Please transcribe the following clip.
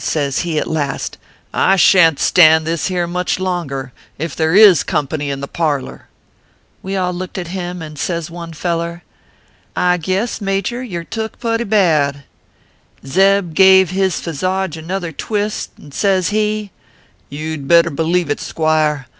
says he, at last, c I shan t stand this here much longer, if there is company in the parlor !" We all looked at him, and says one feller :" I. guess, Major, you re took putty bad/ " Zeb gave his phizog another twist, an says he :" You d better believe it, squire.